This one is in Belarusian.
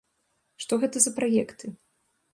Што гэта за праекты?